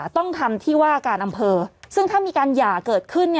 ต้องทำที่ว่าการอำเภอซึ่งถ้ามีการหย่าเกิดขึ้น